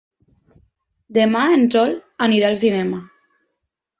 Demà en Sol irà al cinema.